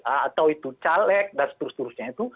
atau itu caleg dan seterusnya itu